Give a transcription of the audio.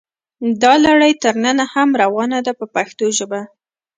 دا لړۍ تر ننه هم روانه ده په پښتو ژبه.